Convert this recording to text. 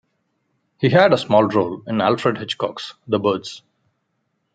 He had a small role in Alfred Hitchcock's "The Birds".